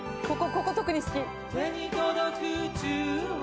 ここ特に好き。